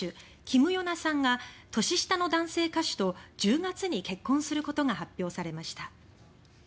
キム・ヨナさんが年下の男性歌手と１０月に結婚することが発表されました。